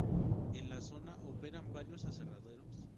En la zona operan varios aserraderos.